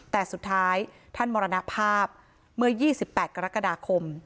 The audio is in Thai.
แต่สุดท้ายท่านมรณภาพเมื่อ๒๘กรกฎาคม